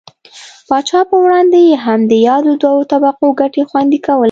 پاچا پر وړاندې یې هم د یادو دوو طبقو ګټې خوندي کولې.